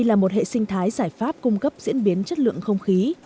là một hệ sinh thái giải pháp cung cấp diễn biến chất lượng không khí